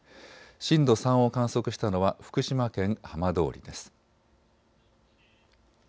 震度３を観測したのは福島県浜通りです。